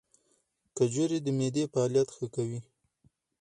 کجورې د معدې فعالیت ښه کوي.